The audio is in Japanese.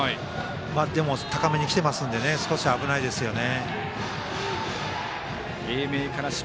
でも、高めにきてますので少し危ないですよね。